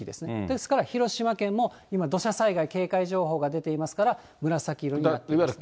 ですから、広島県も今、土砂災害警戒情報が出ていますから、紫色となっています。